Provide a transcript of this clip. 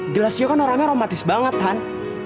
gelasio kan orangnya romantis banget han